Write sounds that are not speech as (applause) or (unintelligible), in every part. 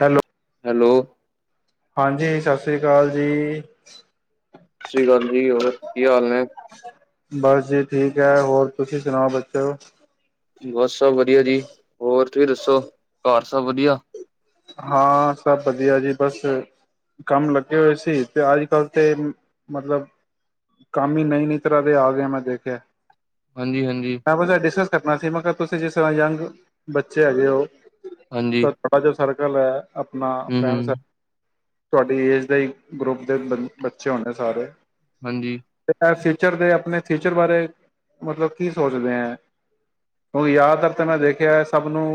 Hello. Hello. ਹਾਂਜੀ ਸਤਿ ਸ੍ਰੀ ਅਕਾਲ ਜੀ। ਸ਼੍ਰੀ ਗੰ (inaudible) ਜੋ ਹੋਰ ਕੀ ਹਾਲ ਨੇ? ਬਸ ਜੀ ਠੀਕ ਹੈ, ਹੋਰ ਤੁਸੀਂ ਸੁਣਾਓ ਬੱਚੋ? ਬਸ ਸਭ ਵਧੀਆ ਜੀ ਹੋਰ ਤੁਸੀਂ ਦੱਸੋ ਘਰ? ਸਭ ਵਧੀਆ? ਹਾਂ ਸਭ ਵਧੀਆ ਜੀ ਬਸ ਕੰਮ ਲੱਗੇ ਹੋਏ ਸੀ ਤੇ ਅੱਜ ਕੱਲ੍ਹ ਤੇ ਮਤਲਬ ਕੰਮ ਹੀ ਨਹੀਂ ਨੀ ਤਰ੍ਹਾਂ ਦੇ ਆਗਿਆ ਮੈਂ ਦੇਖਿਆ ਹਾਂਜੀ-ਹਾਂਜੀ। ਮੈਂ ਬਸ ਡਿਸਕਸ ਕਰਨਾ ਸੀ ਮੈਂ ਕਿਹਾ ਤੁਸੀਂ ਜਿਸ ਤਰ੍ਹਾਂ ਯੰਗ ਬੱਚੇ ਹੈਗੇ ਹੋ। ਹਾਂਜੀ ਸ ਥੋੜਾ ਜਿਹਾ ਸਾਰਾ (inaudible) ਗੱਲ। ਆਪਣਾ ਹਮ ਫਰੈਂਡ ਸ ਹਮ ਤੁਹਾਡੀ ਏਜ ਦੇ ਗਰੁੱਪ ਦੇ ਬੱਚੇ ਹੋਣੇ ਸਾਰੇ ਹਾਂਜੀ (unintelligible) ਫਿਊਚਰ ਦੇ ਆਪਣੇ ਫਿਊਚਰ ਬਾਰੇ ਮਤਲਬ ਕੀ ਸੋਚਦੇ ਹੈ, ਕਿਉਕਿ ਜ਼ਿਆਦਾਤਰ ਤਾਂ ਮੈਂ ਦੇਖਿਆ ਸਭ ਨੂੰ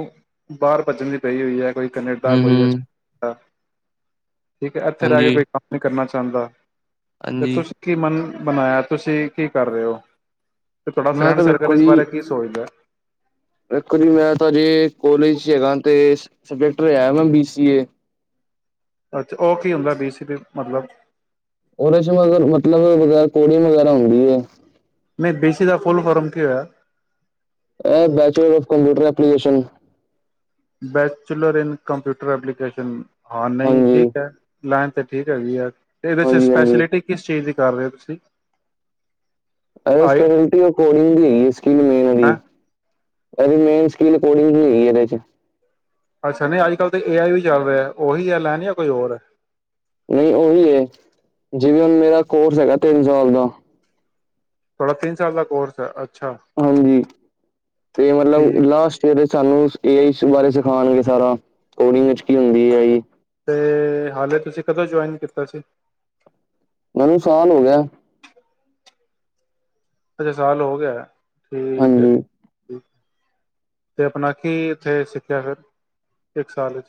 ਬਾਹਰ ਭੱਜਣੀ ਪਈ ਹੋਈ ਹੈ ਕੋਈ ਕਨੇ ਹਮ ਕੋਈ ਹਮ ਠੀਕ ਹੈ ਐਥੇ ਰਹਿ ਹਾਂਜੀ ਕੇ ਕੋਈ ਕੰਮ ਨੀ ਕਰਨਾ। ਚਾਦਾ ਤੇ ਹਾਂਜੀ ਤੁਸੀਂ ਕੀ ਬਨ ਬਣਾਇਆ, ਤੁਸੀਂ ਕੀ ਕਰ ਰਹੇ ਹੋ? ਤੇ ਤੁਹਾਡਾ ਮੈਂ ਫਰੈਂਡ ਤਾਂ ਸਰਕਲ ਇਸ ਬਾਰੇ ਕੀ ਸੋਚਦਾ ਹੈ? ਦੇਖੋ ਜੀ ਮੈਂ ਤਹਿ ਜੀ ਕੋਾਲਜ ਚ ਹੈਗਾ ਤੇ ਸਬਜੈਕਟ ਲਿਆ ਮੈਂ ਬੀ ਸੀ ਏ। ਅੱਛਾ ਉਹ ਕੀ ਹੁੰਦਾ? ਬੀ ਸੀ ਅ ਮਤਲਬ ਉਹਦੇ ਚ ਮਗ ਮਤਲਬ ਵਗੈਰਾ ਕੋਡੀਗ ਵਗੈਰਾ ਹੁੰਦੀ ਹੈ। ਨਹੀਂ ਬੀ ਸੀ ਅ ਦਾ ਫੁੱਲ ਫਰਮ ਕੀ ਹੋਇਆ? ਇਹ bachelor of computer application bachelor in computer application. ਹਾਂ ਨਹੀਂ ਹਾਂਜੀ ਠੀਕ ਹੈ ਲਾਈਨ ਤਾਂ ਠੀਕ ਹੈਗੀ ਯਾਰ ਤੇ ਇਹਦੇ ਚ ਹਾਂਜੀ ਹਾਂਜੀ ਸਪੈਸ਼ਿਲਿਟੀ ਕਿਸ ਚੀਜ਼ ਦੀ? ਕਰ ਰਹੇ ਤੁਸੀਂ ਐ ਪੈਨਲਟੀ ਕੋਿੰਦੀ (inaudible) ਹੈਂ। ਇਹਦੀ ਮੇਨ ਸਕੀਲ ਕੋਰਡਿੰਗ ਹੀਂ ਇਹਦੇ ਚ ਅੱਛਾ ਨਹੀਂ ਅੱਜ ਕੱਲ੍ਹ ਤਾਂ ਏ ਆਈ ਵੀ ਚੱਲ ਰਿਹਾ ਉਹੀ ਹੈ ਲੈਣ ਜਾਂ ਕੋਈ ਹੋਰ? ਨਹੀਂ ਉਹੀ ਏ ਜਿਵੇਂ ਹੁਣ ਮੇਰਾ ਕੋਰਸ ਹੈਗਾ ਤਿੰਨ ਸਾਲ ਦਾ। ਤਿੰਨ ਸਾਲ ਦਾ ਕੋਰਸ ਹੈ। ਅੱਛਾ ਹਾਂਜੀ ਤੇ ਮਤਲਬ ਠੀਕ ਲਾਸਟ ਈਅਰ ਸਾਨੂੰ ਏ ਆਈ ਬਾਰੇ ਸਿਖਾਉਣਗੇ ਸਾਰਾ ਕੋਡਿੰਗ ਵਿੱਚ ਹੁੰਦੀ ਆਈ ਤੇ ਹਾਲੇ ਤੁਸੀਂ ਕਦੋਂ ਜੁਆਇਨ ਕੀਤਾ ਸੀ। ਮੈਨੂੰ ਸਾਲ ਹੋ ਗਿਆ ਅੱਛਾ ਸਾਲ ਹੋ ਗਿਆ ਠੀਕ ਹੈ ਹਾਂਜੀ ਠੀਕ ਅਤੇ ਆਪਣਾ ਕੀ ਇੱਥੇ ਸਿੱਖਿਆ ਫਿਰ ਇੱਕ ਸਾਲ ਚ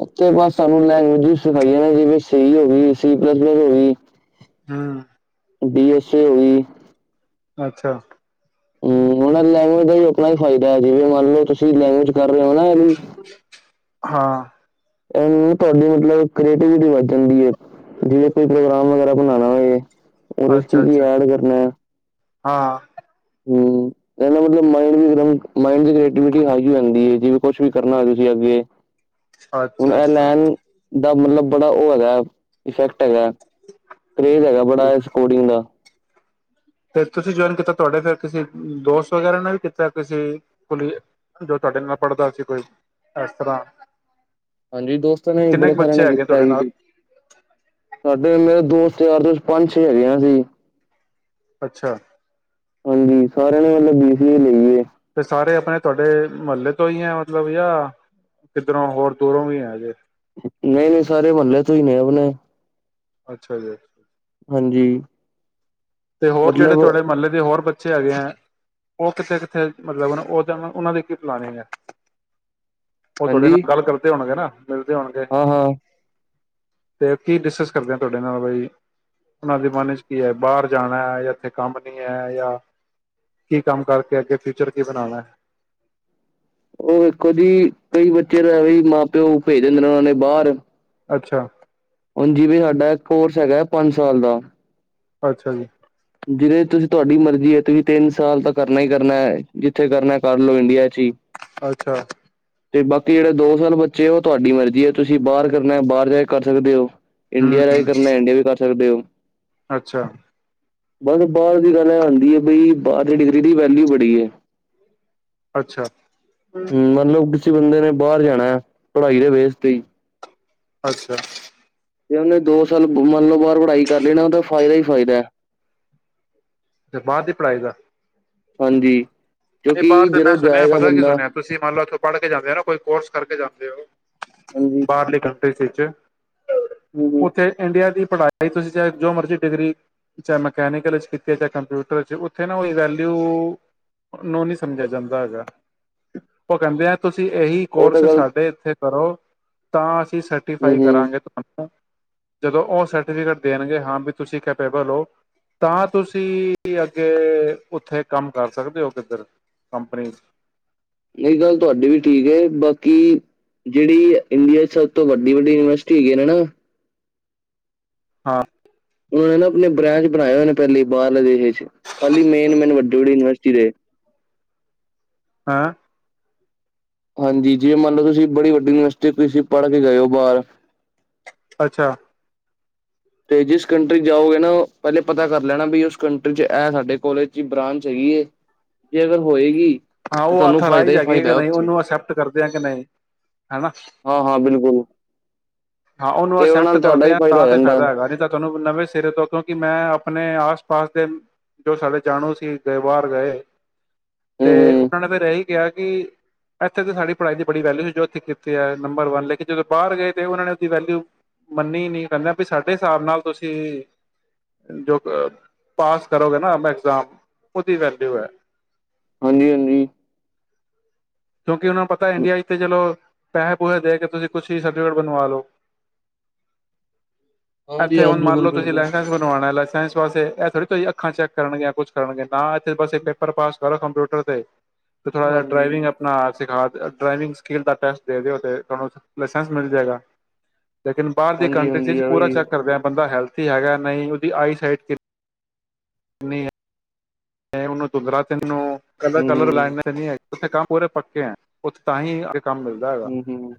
ਉੇ ਬਸ ਸਾਨੂੰ ਲੈਂਗੁਏਜ ਸਿਖਾਈਆਂ ਨੇ ਜਿਵੇਂ ਸੀ ਹੋ ਗਈ ਸੀ ਪਲੱਸ ਪਲੱਸ ਹੋ ਗਈ ਹਾਂ ਬੀ ਐੱਸ ਏ ਹੋ ਗਈ ਅੱਛਾ ਹਮ ਉਹਨਾ ਲੈਂਗੁਏਜ ਦਾ ਹੀ ਆਪਣਾ ਹੀ ਫਾਇਦਾ ਜਿਵੇਂ ਮੰਨ ਲਓ ਤੁਸੀਂ ਲੈਂਗੁਏਜ ਕਰ (unintelligible) ਹਾਂ ਇਹ ਤੁਹਾਡੀ ਮਤਲਬੀ ਕ੍ਰੇਟੀਵਿਟੀ ਵਧ ਜਾਂਦੀ ਹੈ ਜਿਵੇਂ ਕੋਈ ਪ੍ਰੋਗਰਾਮ ਵਗੈਰਾ ਬਣਾਉਣਾ ਹੋਏ ਔਰ ਇਸ ਕੀ ਅੱਛਾ ਕੀ ਅੱਛਾ ਐਡ ਕਰਨਾ ਐ। ਹਾਂ ਹੂ ਇਹਦਾ ਮਤਲਬ ਹੈ ਮਾਈਂਡ ਦੀ ਐਕਟੀਵਿਟੀ ਹੈਗੀ ਆਂਦੀ ਹੈ, ਜਿਵੇਂ ਕੁਛ ਵੀ ਕਰਨਾ ਹੋ ਤੁਸੀਂ ਅੱਗੇ ਹੁਣ ਅੱਛਾ ਐ ਅੱਛਾ ਨੈਣ ਦਾ ਮਤਲਬ ਬੜਾ ਔ ਹੈਗਾ ਹੋ ਇਫੈਕਟ ਹੈਗਾ, ਕਰੇਜ ਹੈਗਾ ਬੜਾ ਠੀਕ। ਸਕੋਡਿੰਗ ਦਾ ਤੇ ਤੁਸੀਂ ਜੁਆਇਨ ਕੀਤਾ ਤੁਹਾਡੇ ਫਿਰ ਕਿ ਸੀ ਦੋਸਤ ਵਗੈਰਾ ਨੇ ਵੀ ਕੀਤਾ ਕਿਸੀ ਕੋਲੀਗ, ਜੋ ਤੁਹਾਡੇ ਨਾਲ ਪੜ੍ਹਦਾ ਸੀ ਕੋਈ ਇਸ ਤਰ੍ਹਾਂ ਹਾਂਜੀ ਦੋਸਤਾਂ ਨੇ ਕਿੰਨੇ ਬੜੇ ਕੁ ਸਾਰਿਆਂ ਬੱਚੇ ਨੇ ਹੈਗੇ ਕੀਤਾ ਤੁਹਾਡੇ ਜੀ, ਨਾਲ ਸਾਡੇ ਮੇਰੇ ਦੋਸਤ ਮੇਰੇ ਯਾਰ ਦੋਸਤ ਪੰਜ ਛੇ ਹੈਗੇ ਆਂ ਅਸੀ ਅੱਛਾ ਹਾਂਜੀ ਸਾਰਿਆਂ ਨੇ ਮਤਲਬ ਬੀ ਸੀ ਏ ਲਈ ਹੋਈ ਐ। ਤੇ ਸਾਰੇ ਆਪਣੇ ਤੁਹਾਡੇ ਮੁਹੱਲੇ ਤੋਂ ਹੀ ਹੈ ਮਤਲਬ ਜਾਂ ਕਿੱਧਰੋਂ ਹੋਰ ਦੂਰੋਂ ਵੀ ਹੈਗੇ। ਨਹੀਂ ਨਹੀਂ ਸਾਰੇ ਮਹੱਲੇ ਤੋਂ ਹੀ ਨੇ, ਔ ਨੇ ਅੱਛਾ ਜੀ ਹਾਂਜੀ ਤੇ ਹੋਰ ਜਿਹੜੇ ਮਤਲਬ ਤੁਹਾਡੇ ਮਹੱਲੇ ਦੇ ਹੋਰ ਬੱਚੇ ਹੈਗੇ ਹੈ। ਔ ਕਿਥੇ ਕਿੱਥੇ, ਮਤਲਬ ਔ ਔਨਾਂ ਦੀ ਕੀ ਪਲਾਨਿਗ ਹੈ। ਔ ਤੁਹਾਡੇ ਹਾਂਜੀ ਨਾਲ ਗੱਲ ਕਰਦੇ ਹੋਣਗੇ ਨਾ ਮਿਲਦੇ ਹੋਣਗੇ। ਹਾਂ ਹਾਂ ਤੇ ਕੀ ਡਿਸਕਸ ਕਰਦੇ ਆ ਤੁਹਾਡੇ ਨਾਲ, ਬਈ ਉਹਨਾਂ ਦੇ ਮਨ ਚ ਕੀ ਹੈ, ਬਾਹਰ ਜਾਣਾ ਹੈ, ਜਾਂ ਇੱਥੇ ਕੰਮ ਨੀ ਹੈ, ਜਾਂ ਕੀ ਕੰਮ ਕਰਕੇ ਅੱਗੇ ਫਿਊਚਰ ਕੀ ਬਣਾਉਣਾ ਹੈ। ਉਹ ਇੱਕੋ ਜੀ ਕਈ ਬੱਚੇ ਤਾਂ ਵੀ ਮਾਂ ਪਿਓ ਭੇਜ ਦਿੰਦੇ ਨੇ ਉਹਨਾਂ ਨੇ ਬਾਹਰ ਅੱਛਾ। ਉਂਜ ਜਿਵੇਂ ਸਾਡਾ ਕੋਰਸ ਹੈਗਾ, ਪੰਜ ਸਾਲ ਦਾ ਅੱਛਾ ਜੀ। ਜਿਹਦੇ ਤੁਸੀਂ ਤੁਹਾਡੀ ਮਰਜ਼ੀ ਹੈ, ਤੁਸੀਂ ਤਿੰਨ ਸਾਲ ਤਾਂ ਕਰਨਾ ਹੀ ਕਰਨਾ, ਜਿੱਥੇ ਕਰਨਾ ਕਰ ਲਓ ਇੰਡੀਆ ਚ ਹੀ। ਅੱਛਾ। ਤੇ ਬਾਕੀ ਜਿਹੜੇ ਦੋ ਸਾਲ ਬੱਚੇ ਆ, ਉਹ ਤੁਹਾਡੀ ਮਰਜ਼ੀ ਹੈ ਤੁਸੀਂ ਬਾਹਰ ਕਰਨਾ ਬਾਹਰ ਜਾ ਕੇ ਕਰ ਸਕਦੇ ਹੋ। ਹਮ ਇੰਡੀਆ ਦਾ ਵੀ ਹਮ ਕਰਨਾ ਇੰਡੀਆ ਵੀ ਸਕਦੇ ਹੋ ਅੱਛਾ। ਬਸ ਬਾਹਰ ਦੀ ਗੱਲ ਇਹ ਆਉਂਦੀ ਹੈ, ਬਈ ਬਾਹਰ ਦੀ ਡਿਗਰੀ ਦੀ ਵੈਲਿਊ ਬੜੀ ਹੈ। ਅੱਛਾ। ਮਤਲਬ ਕਿਸੇ ਬੰਦੇ ਨੇ ਬਾਹਰ ਜਾਣਾ ਹੈ, ਪੜ੍ਹਾਈ ਦੇ ਬੇਸ ਤੇ ਹੀ। ਅੱਛਾ। ਤੇ ਉਹਨੇ ਦੋ ਸਾਲ ਮੰਨ ਲਓ ਬਾਰ ਪੜ੍ਹਾਈ ਕਰ ਲੈਣਾ, ਉਹਦਾ ਫਾਇਦਾ ਹੀ ਫਾਇਦਾ। ਤੇ ਬਾਹਰ ਦੀ ਪੜ੍ਹਾਈ ਦਾ, ਹਾਂਜੀ ਨਹੀਂ ਕਿਉਂਕਿ ਬਾਹਰ ਦਾ ਜਦੋਂ ਮੈਂ ਸੁਣਿਆ ਜਾਏਗਾ ਪਤਾ ਕੀ ਬੰਦਾ ਸੁਣਿਆ, ਤੁਸੀਂ ਮੰਨ ਲਓ ਉਥੋਂ ਪੜ੍ਹ ਕੇ ਜਾਂਦੇ ਹੋ ਨਾ ਕੋਈ ਕੋਰਸ ਕਰਕੇ ਜਾਂਦੇ ਹੋ। ਹਾਂਜੀ ਬਾਹਰਲੀ ਕੰਟਰੀ। ਤੇ ਏਸ ਚ, ਹੂੰ ਹੂੰ ਉੱਥੇ ਇੰਡੀਆ ਦੀ, ਪੜ੍ਹਾਇਆ ਹੀ ਤੁਸੀਂ ਚਾਹੇ ਜੋ ਮਰਜ਼ੀ ਡਿਗਰੀ ਚਾਹੇ ਮਕੈਨੀਕਲ ਵਿੱਚ ਕੀਤੀ। ਜਾਂ ਕੰਪਿਊਟਰ ਚ ਉੱਥੇ ਨਾ ਉਹ ਔਈਓ ਵੈਲਿਊ ਨੂੰ ਨੀ ਸਮਝਿਆ ਜਾਂਦਾ ਹੈਗਾ ਉਹ ਕਹਿੰਦੇ ਆ ਤੁਸੀਂ। ਇਹੀ ਉਹ ਤਾਂ ਕੋਰਸ ਗੱਲ ਸਾਡੇ ਇੱਥੇ, ਕਰੋ ਤਾਂ, ਅਸੀ ਹੂੰ ਸਰਟੀਫਾਈ ਹੂੰ ਕਰਾਂਗੇ ਤੁਹਾਨੂੰ। ਜਦੋਂ ਉਹ ਸਰਟੀਫਿਕੇਟ ਦੇਣਗੇ ਹਾਂ ਵੀ ਤੁਸੀਂ ਕੈਪੇਬਲ ਹੋ ਤਾਂ, ਤੁਸੀਂ ਅੱਗੇ ਉੱਥੇ ਕੰਮ ਕਰ ਸਕਦੇ ਹੋ ਕਿੱਧਰ ਕੰਪਨੀ, ਇਹ ਗੱਲ ਤੁਹਾਡੀ ਵੀ ਠੀਕ ਹੈ, ਬਾਕੀ ਜਿਹੜੀ ਇੰਡੀਆ ਚ ਸਭ ਤੋਂ ਵੱਡੀ ਵੱਡੀ ਯੂਨੀਵਰਸਿਟੀ ਹੈਗੀ ਆ ਨਾ। ਹਾਂ, ਉਹਨ ਨਾ ਆਪਣੇ ਬ੍ਰਾਂਚ ਚ ਬਣਾਏ ਹੋਏ ਨੇ ਪਹਿਲੀ ਬਾਹਰਲੇ ਦੇਸ਼, ਖਾਲੀ ਮੇਨ-ਮੇਨ ਵੱਡੀ-ਵੱਡੀ ਯੂਨੀਵਰਸਟੀ ਚਿਰੇ, ਹੈਂ, ਹਾਂਜੀ ਜਿਵੇਂ ਮੰਨ ਲਓ ਤੁਸੀਂ ਬੜੀ ਵੱਡੀ ਯੂਨੀਵਰਸਿਟੀ ਸੀ ਪੜ੍ਹ ਕੇ ਗਏ ਹੋ ਬਾਹਰ ਅੱਛਾ, ਤੇ ਜਿਸ ਕੰਟਰੀ ਜਾਓਗੇ ਨਾ ਪਹਿਲੇ ਪਤਾ ਕਰ ਲੈਣਾ ਵੀ ਉਸ ਕੰਟਰੀ ਚ ਇਹ ਸਾਡੇ ਕੋਲੇਜ ਚ ਬ੍ਰਾਂਚ ਹੈਗੀ ਹੈ ਜੇ ਅਗਰ ਹੋਏਗੀ। ਹਾਂ ਤੇ ਉਹ ਤੁਹਾਨੂੰ ਫਾਇਦਾ ਅਥਰਾਈਜ ਹੀ ਹੈਗੀ ਫਾਇਦਾ ਕਿ ਹੈ ਨਹੀਂ ਉੱਥੇ ਨੂੰ ਅਕਸੈਪਟ ਕਰਦੇ ਆ ਕਿ ਨਹੀਂ ਹਨਾ ਹਾਂ ਹਾਂ ਬਿਲਕੁਲ ਹਾਂ ਉਹਨੂੰ ਤੇ ਉਹਨਾਂ ਅਕਸੈਪਟ ਨਾਲ ਤੁਹਾਡਾ ਕਰਦੇ ਹੀ ਆ ਤਾਂ ਹੋ ਤੇ ਜਾਂਦਾ ਹੈ। ਫਾਇਦਾ ਹੈਗਾ ਨਹੀਂ। ਤੁਹਾਨੂੰ ਨਵੇਂ ਸਿਰੇ ਤੋਂ ਕਿਉਂਕਿ ਮੈਂ ਆਪਣੇ ਆਸ ਪਾਸ ਦੇ ਜੋ ਸਾਡੇ ਜਾਣੂ ਸੀ ਗਏ ਬਾਹਰ ਗਏ। ਤੇ ਹੂੰ ਹੂੰ ਉਹਨਾਂ ਨੇ ਫਿਰ ਐਹੀ ਕਿਹਾ ਕਿ ਇੱਥੇ ਤਾਂ ਸਾਡੀ ਪੜ੍ਹਾਈ ਦੀ ਬੜੀ ਵੈਲਿਊ ਸੀ ਜੋ ਇੱਥੇ ਕੀਤੀ ਹੈ, ਨੰਬਰ ਵਨ ਲੇਕਿਨ ਜਦੋਂ ਬਾਹਰ ਗਏ ਤਾਂ ਉਹਨਾਂ ਨੇ ਉਹਦੀ ਵੈਲਿਊ ਮੰਨੀ ਨਹੀਂ ਕਹਿੰਦੇ ਵੀ ਸਾਡੇ ਹਿਸਾਬ ਨਾਲ ਤੁਸੀਂ ਜੋ ਪਾਸ ਕਰੋਗੇ ਨਾ ਐਗਜ਼ਾਮ ਉਹਦੀ ਵੈਲਿਊ ਹੈ। ਹਾਂਜੀ-ਹਾਂਜੀ। ਕਿਉਂਕਿ ਉਹਨਾਂ ਨੂੰ ਪਤਾ ਇੰਡੀਆ ਚ ਤੇ ਚਲੋ ਪੈਸੇ ਪੂਸੇ ਦੇ ਕੇ ਤੁਸੀਂ ਕੁਛ ਹੀ ਸਰਟੀਫਿਕੇਟ ਬਣਵਾ ਲਓ। ਹਾਂ ਜੀ ਇੱਥੇ ਹਾਂ ਹੁਣ ਮੰਨ ਲਓ ਬਿਲਕੁਲ ਤੁਸੀਂ ਬਿਲਕੁਲ ਲਾਇਸੈਂਸ ਬਣਵਾਉਣਾ ਲਾਇਸੈਂਸ ਵਾਸਤੇ ਸ ਤੁਸੀਂ ਅੱਖਾਂ ਚੈੱਕ ਕਰਨਗੀ ਆਂ ਕੁੱਛ ਕਰਨਗੇ ਹਾਂ ਇੱਥੇ ਬੱਸ ਏਕ ਪੇਪਰ ਪਾਸ ਕਰੋ ਕੰਪਿਊਟਰ ਦਾ। ਕਰੋ ਤੇ। ਤੇ ਥੋੜ੍ਹਾ ਜਿਹਾ ਹਾਂਜੀ ਡਰਾਈਵਿੰਗ ਆਪ (inaudible) ਹਾਂ ਸਿਖਾ ਡਰਾਈਵਿੰਗ ਸਕੇਲ ਦਾ ਟੈਸਟ ਦੇ ਦਿਓ ਤੇ ਤੁਹਾਨੂੰ ਲਾਇਸੈਂਸ ਮਿਲ ਜਾਏਗਾ। ਲੇਕਿਨ ਬਾਹਰ ਦੀ ਕੰਟਰੀਜ਼ ਹਾਂਜੀ-ਹਾਂਜੀ ਵਿੱਚ ਐ ਵੀ ਪੂਰਾ ਚੈੱਕ ਕਰਦੇ ਹਾਂ ਬੰਦਾ ਹੈਲਥ ਹੈਗਾ ਨਹੀਂ ਉਹਦੀ ਆਈ ਸਾਈਟ ਕਿ ਨਹੀਂ। ਤੇ ਉਹਨੂੰ ਦੁੰਦਰਾ ਤਿੰਨ ਨੂੰ ਕਲਰ-ਕਲਰ ਹੂੰ-ਹੂੰ, ਲਾਣਾ ਨਹੀਂ ਹੈ। ਉੱਥੇ ਕੰਮ ਪੂਰੇ ਪੱਕੇ ਹੈ, ਉੱਥੇ ਤਾਂ ਹੀ ਕੰਮ ਮਿਲਦਾ ਹੈਗਾ ਹੂੰ-ਹੂੰ,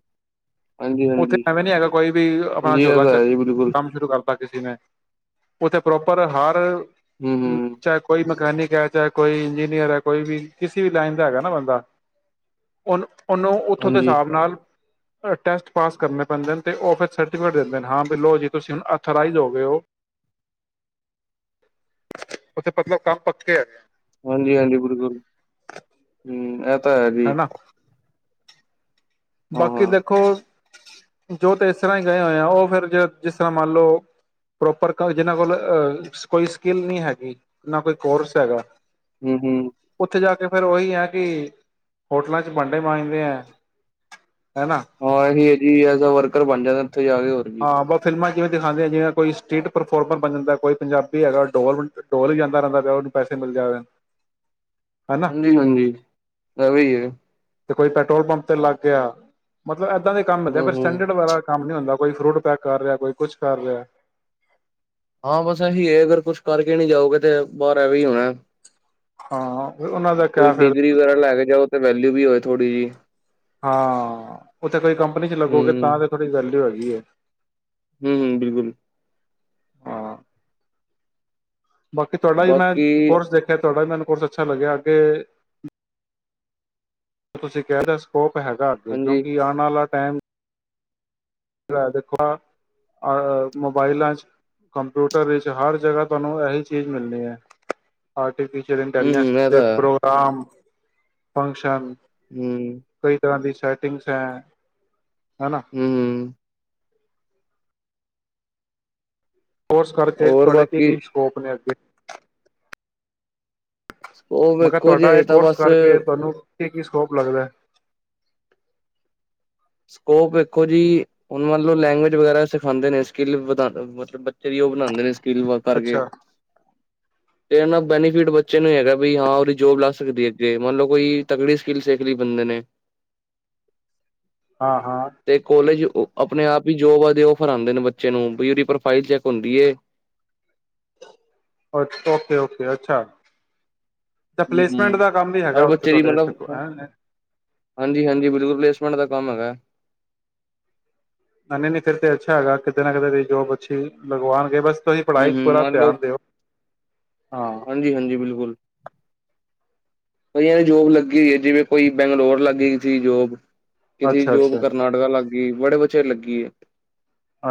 ਉੱਥੇ ਹਾਂਜੀ-ਹਾਂਜੀ। ਐਵੇਂ ਨੀ ਹੈਗਾ ਕੋਈ ਵੀ ਆਪਣਾ ਹਾਂਜੀ ਐ ਝੋਲਾ ਤਾਂ ਚੱਕ ਹੈ ਜੀ ਬਿਲਕੁਲ ਕੰਮ ਸ਼ੁਰੂ ਕਰਤਾ ਕਿਸੇ ਨੇ ਉੱਥੇ ਪ੍ਰੋਪਰ ਹਰ ਹਂ, ਹੂੰ-ਹੂੰ, ਚਾਹੇ ਕੋਈ ਮ ਮਕੇਨਿਕ ਐ, ਚਾਹੇ ਕੋਈ ਇੰਜੀਨੀਅਰ ਐ, ਕੋਈ ਵੀ ਕਿਸੇ ਵੀ ਲਾਈਣ ਦਾ ਹੈਗਾ ਨਾਂ ਬੰਦਾ ਉਹਣੂ ਉਹਨੂੰ ਉੱਥੋਂ ਦੇ ਹਾਂਜੀ, ਹਿਸਾਬ ਨਾਲ ਟੇਸਟ ਪਾਸ ਕਰਨੇ ਪੈਂਦੇ ਨੇਂ ਉਹ ਫਿਰ ਸਰਟੀਫਿਕੇਟ ਦਿੰਦੇਾਂ ਨੇਂ। ਜੀ ਤੁਸੀਂ ਅਥੋਰਾਈਜ ਹੋ ਗਏ ਔ। ਉਥੇ ਪਤਲਬ ਕੰਮ ਪੱਖੇ ਹੈਗੇ ਹਾਂਜੀ, ਹਾਂਜੀ। ਬਿਲਕੁਲ ਹਂ ਏ ਹੈ ਵੀ ਹਨਾ ਬਾਕੀ ਦੇਖੋ ਜੋ ਤਾਂ ਇਸ ਤਰ੍ਹਾਂ ਹੀ ਗਏ ਹੋਏ ਆ, ਉਹ ਫਿਰ ਜ ਜਿਸ ਸਰ੍ਹਾਂ ਮੰਨ ਲਓ ਪ੍ਰੋਪਰ ਜਿਹਨਾਂ ਕੋਲਹ ਕੋਈ ਸਕਿੱਲ ਨ੍ਹੀਂ ਹੈਗੀ ਨਾਂ ਕੋਈ ਕੋਰਸ ਹੈਗਾ ਹਂ, ਹਂ। ਉੱਥੇ ਜਾ ਕੇ ਫੇਰ ਉਹੀ ਐਕਿ ਹੋਟਲਾਂ ਚ ਭਾਂਡੇ ਮਾਂਜਦੇ ਐਂ। ਹੈਨਾਂ। ਹਾਂ, ਇਹ ਜੀ ਐਜ ਐਸ ਅ ਵਰਕਰ ਬਣ ਜਾਂਦ ਉੱਥੇ ਜਾ ਕੇ ਹੋਰ ਕੀ ਹਾਂ ਬ ਫਿਲਮਾਂ ਜਿਵੇਂ ਦਿਖਾਂਦੇ ਆ ਜਿਵੇ ਕੋਈ ਸਟਰੀਟ ਪਰਫੋਰਮਰ ਬਣ ਜਾਂਦਾ, ਕੋਈ ਪੰਜਾਬੀ ਹੈਗਾ ਡੋਲ, ਡੋਲ ਵਿਜਾਂਦਾ ਰਹਿੰਦਾ ਪਿਆ ਉਹਨੂੰ ਪੈਸੇ ਮਿਲ ਜਾਵੇ ਹਨਾ ਹਾਂਜੀ, ਹਾਂਜੀ ਏਹੋ ਈ। ਤੇ ਕੋਈ ਪੈਟਰੋਲ ਪੰਪ ਤੇ ਲੱਗ ਗਿਆ ਮਤਲਬ ਦੇ ਕੰਮ ਹੁੰਦੇ ਪਰ ਹੂੰ-ਹੂੰ, ਸਟੈਂਡਰਡ ਵਾਲਾ ਕੰਮ ਨ੍ਹੀਂ ਹੁੰਦਾ ਕੋਈ ਫਰੂਟ ਪੈਕ ਕਰ ਰਿਆ, ਕੋਈ ਕੁਛ ਕਰ ਰਿਆ ਹਾਂ, ਬਸ ਇਹੀ ਐ, ਅਗਰ ਕੁਛ ਕਰਕੇ ਨਈਂ ਜਾਓਗੇ ਤੇ ਬਾਹਰ ਐਵੇਂ ਈ ਹੋਣਾ। ਹਾਂ, ਉਹਨਾਂ ਦਾ ਕਿਆ ਕੋਈ ਫਿਰ। ਡਿਗਰੀ ਵਗੈਰਾ ਲੈ ਕੇ ਜਾਓ ਵੈਲਿਊ ਵੀ ਹੋਏ ਥੋੜ੍ਹੀ ਜਹੀ। ਹਾਂ, ਉੱਥੇ ਕੋਈ ਕੰਪਨੀ ਚ ਲੱਗੋਗੇ ਤਾਂ ਤਾਂ ਥੋੜ੍ਹੀ ਵੈਲਿਊ ਹੈਗੀ। ਜੀ ਹੈ। ਹਂ, ਹਂ ਬਿਲਕੁਲ। ਹਾਂ। ਬਾਕੀ ਤੁਹਾਡਾ ਹੀ ਮੈਂ ਬਾਕੀ ਕੋਰਸ ਦੇਖਿਆ ਤੁਹਾਡਾ ਮੈਨੂੰ ਕੋਰਸ ਅੱਛਾ ਲੱਗਿਆ ਅੱਗੇ ਤੁਸੀਂ ਕਹਿ ਦ ਸਕੋਪ ਹੈਗਾ ਅੱਗੇ ਹਾਂਜੀ ਕਿਉਂਕਿ ਆਣ ਵਾਲਾ ਟੈਮ ਦੇਖੋ ਅ ਮੋਬਾਈਲਾਂ ਚ ਕੰਪਿਊਟਰ ਇਚ ਹਰ ਜਗ੍ਹਾ ਤੁਹਾਨੂੰ ਇਹੀ ਚੀਜ਼ ਮਿਲਣੀ ਐ। ਟੀਚਰ ਇੰਟੈਲੀਜੈਂਸ ਹੂੰ-ਹੂੰ ਐ ਦੇ ਤਾਂ ਹੈ ਪ੍ਰੋਗਰਾਮ ਫੰਕਸ਼ਨ। ਹੂੰ, ਕੋਈ ਤਰ੍ਹਾਂ ਦੀ ਸੈਟਿੰਗਸ ਐਂ। ਹੂੰ, ਹੂੰ। ਕੋਰਸ ਕਰਕੇ ਔਰ ਤੁਹਾਡੇ ਕੀ ਬਾਕੀ ਕੀ ਸਕੋਪ ਨੇ ਅੱਗੇ। ਉਹ ਮੈਂ ਕਿਹਾ ਵੇਖੋ ਤੁਹਾਡਾ ਜੇ ਇਹ ਤਾਂ ਕੋਰਸ ਬਸ ਕਰਕੇ ਤੁਹਾਨੂੰ ਕੀ- ਕੀ ਸਕੋਪ ਲੱਗਦਾ। ਸਕੋਪ ਵੇਖੋ ਜੀ। ਹੁਣ ਮੰਨ ਲਓ ਲੈਂਗੁਏਜ ਵਗੈਰਾ ਸਿਖਾਉਦੇ ਨੇ ਸਕਿੱਲ ਵਧਾ ਮਤਲਬ ਬੱਚੇ ਲਈ ਉਹ ਬਣਾਂਦੇ ਨੇ। ਕਿਲ ਵਰਕ ਕਰਕੇ। ਅੱਛਾ ਤੇ ਇਹਨਾ ਬੈਨੀਫਿਟ ਬੱਚੇ ਨੂੰ ਹੀ ਹੈਗਾ ਬ ਹਾਂ ਉਹਦੀ ਜੋਬ ਲਾ ਸਕਦੀ ਅੱਗੇ। ਮੰਨ ਲਓ ਕੋਈ ਤਕੜੀ ਸਕਿੱਲ ਸੇਖ ਲਈ ਬੰਦੇ ਨੇ ਹਾਂ ਹਾਂ ਤੇ ਕੋਲੇਜ ਉਹ ਆਪਣੇ ਆਪ ਹੀ ਜੋਬ ਉਹ ਫਰਾਉਂਦੇ ਨੇ ਬੱਚੇ ਨੂੰ ਬਈ ਉਹਦੀ ਪ੍ਰੋਫਾਈਲ ਚੈੱਕ ਹੁੰਦੀ ਏ। ਅ ਓਕੇ-ਓਕੇ ਅੱਛਾ। ਤਾਂ ਹੂੰ, ਪਲੇਸਮੈਂਟ ਹੂੰ। ਦਾ ਕੰਮ ਵੀ ਹਰ ਹੈਗਾ ਉੱਥੇ ਬੱਚੇ ਦੀ ਤੁਹਾਡੇ ਮਤਲਬ ਇੱਥੇ ਹੈਂ ਹਾਂਜੀ ਹਾਂਜੀ ਬਿਲਕੁਲ ਪਲੇਸਮੈਂਟ ਦਾ ਕੰਮ ਹੈਗਾ। ਨ ਨਹੀਂ ਨਹੀਂ ਫੇਰ ਤੇ ਅੱਛਾ ਹੈਗਾ ਕਿਤੇ ਨਾ ਕਿਤੇ ਜੋਬ ਅੱਛੀ ਲਗਵਾਣਗੇ ਬਸ ਤੁਸੀਂ ਹੂੰ ਪੜ੍ਹਾਈ ਚ ਹੂੰ ਪੂਰਾ ਮੰਨ ਲਓ ਧਿਆਨ ਦਿਓ, ਹਾਂ। ਹਾਂਜੀ ਹਾਂਜੀ ਬਿਲਕੁਲ ਜੋਬ ਲੱਗੀ ਹੋਈ ਹੈ। ਜਿਵੇਂ ਕੋਈ ਬੈਂਗਲੋਰ ਲੱਗੀ ਸੀ ਜੋਬ ਕਿਸੇ ਅੱਛਾ ਜੋਬ ਅੱਛਾ ਕਰਨਾਟਕਾ ਲੱਗ ਬੜੇ ਬਚੇ ਲੱਗੀ ਐ।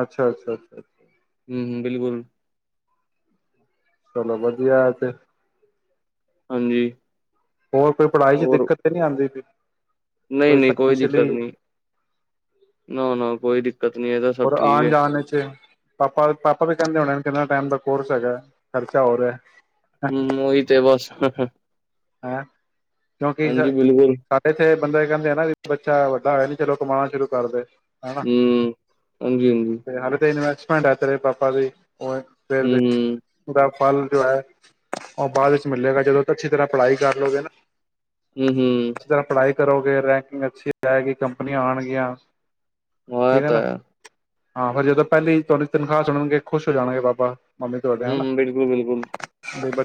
ਅੱਛਾ, ਅੱਛਾ, ਅੱਛਾ। ਹੂੰ, ਬਿਲਕੁਲ। ਚਲੋ ਵਧੀਆ ਤੇ ਹਾਂਜੀ ਹੋਰ ਕੋਈ ਪੜ੍ਹਾਈ ਚ ਦਿੱਕਤ ਤੇ ਨਹੀਂ ਆਉਦੀ ਪਈ ਨਹੀਂ ਨਹੀਂ ਕੋਈ ਦਿੱਕਤ ਨਹੀਂ ਨਾ ਨਾ ਕੋਈ ਦਿੱਕਤ। ਹੋਰ ਆਉਣ ਜਾਣ ਚ ਪਾਪਾ ਪਾਪਾ ਤੇ ਕਹਿੰਦੇ ਹੋਣੇ ਕਿੰਨਾ ਟਾਈਮ ਲ ਕੋਰਸ ਹੈਗਾ ਖਰਚਾ ਹੋਰ ਹੋ ਰਿਹਾ ਹਮ ਓਹੀ ਤੇ ਬੱਸ ਹੈਂ ਕਿਉਂਕਿ ਸਾਡੇ ਇੱਥੇ ਬੰਦਾ ਇਹ ਕਹਿੰਦੇ ਹਨ ਨਾ ਬੱਚਾ ਵੱਡਾ ਹੋਇਆ ਨੀ ਚਲੋ ਕਮਾਉਣਾ ਸ਼ੁਰੂ ਕਰਦੇ। ਹਨਾ ਹਮ ਹਾਂਜੀ ਹਾਂਜੀ। ਭਾਂਡਾ ਤੇਰੇ ਪਾਪਾ ਦੇ ਉਹ ਫੇਰ ਦੇ ਦਬ ਫਲ ਜੋ ਹੈ ਉਹ ਬਾਅਦ ਵਿੱਚ ਮਿਲੇਗਾ ਜਦੋਂ ਅੱਛੀ ਤਰ੍ਹਾਂ ਪੜ੍ਹਾਈ ਕਰ ਲਓ ਗੇ ਨਾ ਹਮ ਹਮ ਅੱਛੀ ਤਰ੍ਹਾਂ ਪੜ੍ਹਾਈ ਕਰੋਗੇ ਰੈਂਕਿੰਗ ਅੱਛੀ ਜਾਏਗੀ ਕੰਪਨੀਆਂ ਆਉਣਗੀਆਂ ਆ ਠੀਕ ਤਾਂ ਨਾ ਹੈ, ਹਾਂ ਫਿਰ ਜਦੋਂ ਪਹਿਲੀ ਤੁਹਾਡੀ ਤਨਖਾਹ ਸੁਣਨਗੇ ਖੁਸ਼ ਹੋ ਜਾਣਗੇ ਬਾਬਾ। ਮੰਮੀ ਹੂੰ ਬਿਲਕੁਲ-ਬਿਲਕੁਲ,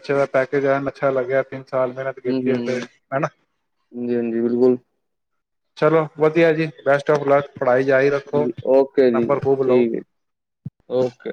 ਅੱਛੇ ਪੈਕਜ ਐਨ ਅੱਛਾ ਲਗਿਆ। ਹੂੰ-ਹੂੰ, ਹਾਂਜੀ-ਹਾਂਜੀ ਬਿਲਕੁਲ। ਚਲੋ ਵਧੀਆ ਜੀ ਬੈਸਟ ਆਫ ਲੱਕ। ਪੜ੍ਹਾਈ ਜਾਰੀ ਰੱਖੋ ਓਕੇ ਜੀ ਨੰਬਰ ਖੂਬ ਲਓ ਠੀਕ ਹੈ ਓਕੇ।